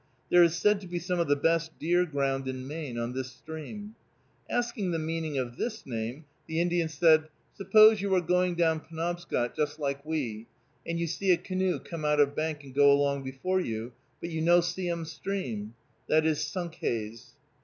There is said to be some of the best deer ground in Maine on this stream. Asking the meaning of this name, the Indian said, "Suppose you are going down Penobscot, just like we, and you see a canoe come out of bank and go along before you, but you no see 'em stream. That is Sunkhaze."